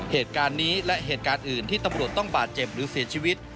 เหตุการณ์นี้และเหตุการณ์อื่นที่ตำรวจต้องบาดเจ็บหรือเสียชีวิต